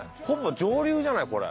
ほぼ上流じゃない？